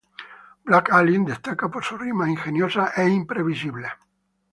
Black Alien destaca por sus rimas ingeniosas e imprevisibles.